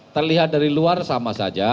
terlihat dari luar sama saja